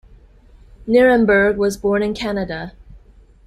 Nirenberg was born in Canada.